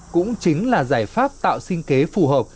cũng chính là giải pháp tạo sinh kế phù hợp